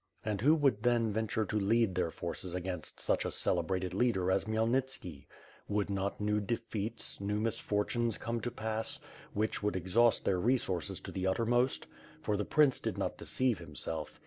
And who would then venture to lead their forces against such a celebrated leader as KhmyelnitskiP Would not new defeats new misfortunes come to pass^ which would exhaust their resources to the uttermost? For the prince did not deceive himself.